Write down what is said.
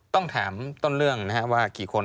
ต้องถามต้นเรื่องนะครับว่ากี่คน